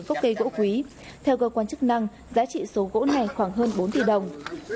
gốc cây gỗ quý theo cơ quan chức năng giá trị số gỗ này khoảng hơn bốn tỷ đồng